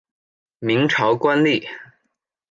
明朝官吏。